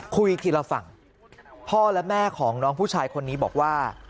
คุยทีละฝั่งพ่อและแม่ของน้องผู้ชายคนนี้บอกว่า